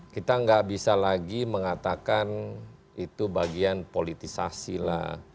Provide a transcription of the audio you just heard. kita nggak bisa lagi mengatakan itu bagian politisasi lah